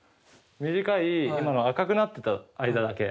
短い今の赤くなってた間だけ。